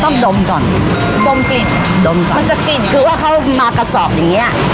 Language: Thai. ดมก่อนดมกลิ่นดมก่อนมันจะกลิ่นคือว่าเขามากระสอบอย่างเงี้ย